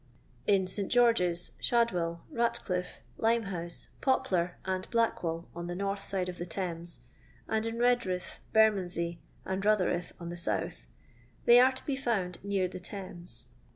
In St. George's, Shadwell, Batcliffe, I Limehouse, PopUr, and Blackwall, on the north side of the Thames, and in Redrifife, Bermondsey, and Botherhithe, on the south, they are to be found near the Thames.